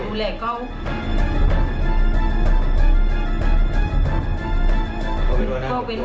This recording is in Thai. โดย